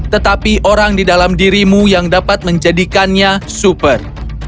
tetapi orang di dalam dirimu yang dapat menjadikannya super